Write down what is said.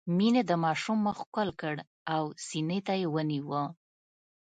مينې د ماشوم مخ ښکل کړ او سينې ته يې ونيوه.